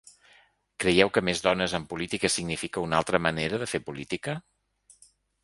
Creieu que més dones en política significa una altra manera de fer política?